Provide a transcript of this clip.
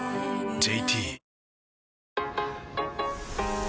ＪＴ